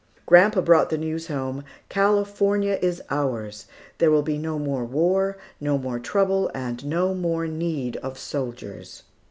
Grandpa brought the news home, "California is ours. There will be no more war, no more trouble, and no more need of soldiers."